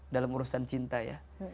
dalam urusan cinta ya